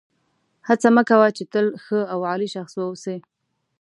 هڅه مه کوه چې تل ښه او عالي شخص واوسې.